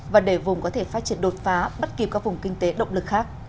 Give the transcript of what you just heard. và để vùng có thể phát triển đột phá bắt kịp các vùng kinh tế động lực khác